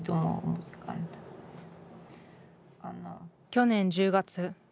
去年１０月。